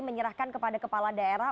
menyerahkan kepada kepala daerah